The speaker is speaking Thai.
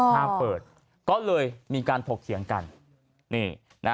ถ้าเปิดก็เลยมีการโผล่เถียงกัน